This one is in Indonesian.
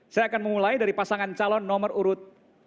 saya akan mulai dari pasangan calon nomor urut satu